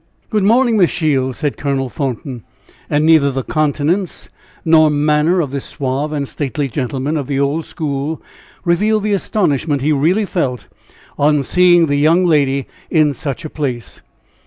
"Good morning, Miss Shields," said Colonel Thornton; and neither the countenance nor manner of this suave and stately gentleman of the old school revealed the astonishment he really felt on seeing the young lady in such a place.